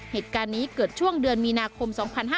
เหตุการณ์นี้เกิดช่วงเดือนมีนาคม๒๕๕๙